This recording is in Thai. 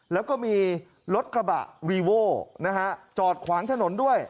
แล้วก็มีรถกระบะวีโว่นะฮะจอดขวางถนนด้วย